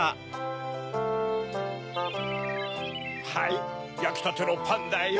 はいやきたてのパンだよ。